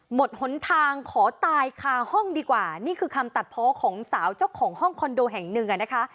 หนทางขอตายคาห้องดีกว่านี่คือคำตัดเพาะของสาวเจ้าของห้องคอนโดแห่งหนึ่งอ่ะนะคะ